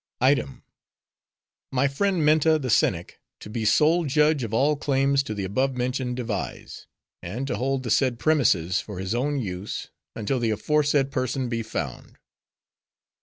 "'Item. My friend Minta the Cynic to be sole judge of all claims to the above mentioned devise; and to hold the said premises for his own use, until the aforesaid person be found.